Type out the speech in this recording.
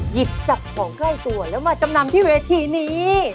หยิบจับของใกล้ตัวแล้วมาจำนำที่เวทีนี้